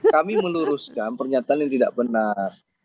kami meluruskan pernyataan yang tidak benar